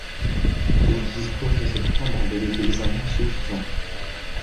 Il dispose à cette fin d'un délai d'examen suffisant